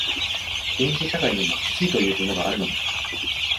原始社会にも罪というものがあるのである。